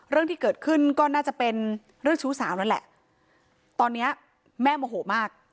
เรื่องที่เกิดขึ้นก็น่าจะเป็นเรื่องชู้สาวนั่นแหละตอนเนี้ยแม่โมโหมาก